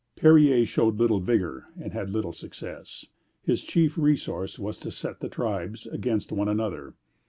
Perier showed little vigor, and had little success. His chief resource was to set the tribes against one another.